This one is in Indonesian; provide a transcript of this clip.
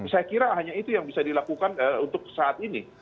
saya kira hanya itu yang bisa dilakukan untuk saat ini